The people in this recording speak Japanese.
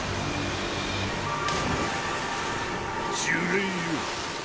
呪霊よ。